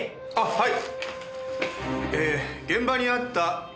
はい。